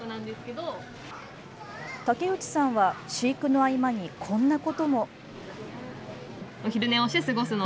竹内さんは飼育の合間にこんなことも。